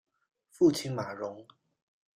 父亲马荣。